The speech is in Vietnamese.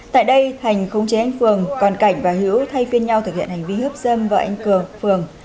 tại đây thành khống chế anh phường còn cảnh và hữu thay phiên nhau thực hiện hành vi hiếp dâm vợ anh cường phường